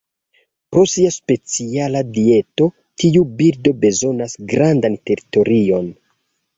Pro sia speciala dieto, tiu birdo bezonas grandan teritorion.